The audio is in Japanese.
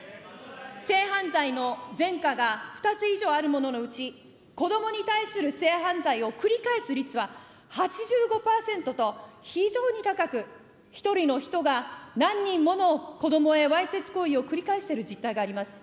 性犯罪の前科が２つ以上あるもののうち、子どもに対する性犯罪を繰り返す率は８５％と、非常に高く、１人の人が何人もの子どもへわいせつ行為を繰り返している実態があります。